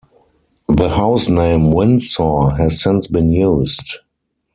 The house name Windsor has since been used.